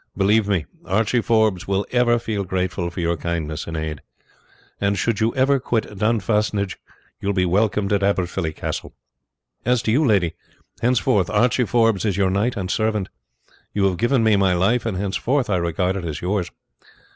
Believe me, Archie Forbes will ever feel grateful for your kindness and aid; and should you ever quit Dunstaffnage you will be welcomed at Aberfilly Castle. As to you, lady, henceforth Archie Forbes is your knight and servant. You have given me my life, and henceforth I regard it as yours.